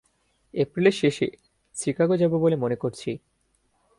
এপ্রিলের শেষে চিকাগো যাব বলে মনে করছি।